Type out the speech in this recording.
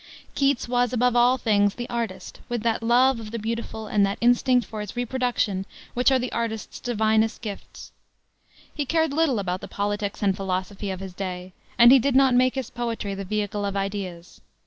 Keats was, above all things, the artist, with that love of the beautiful and that instinct for its reproduction which are the artist's divinest gifts. He cared little about the politics and philosophy of his day, and he did not make his poetry the vehicle of ideas.